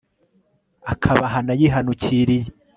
akabahana yihanukiriye